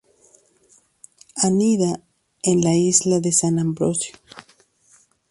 Anida en la isla de San Ambrosio.